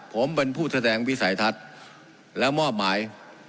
ผมเป็นผู้แสดงวิสัยทัศน์และมอบหมาย